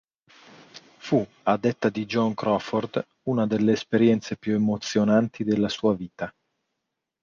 Fu, a detta di Joan Crawford, una delle esperienze più emozionanti della sua vita.